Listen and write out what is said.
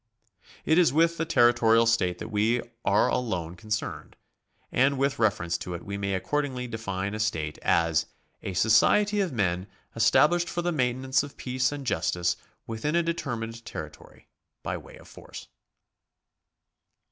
It is with the territorial state that we are alone concerned, and with reference to it we may accordingly de fine a state as a society of men established for the maintenance of 'peace and justice ivithin a determined territory by uay of force.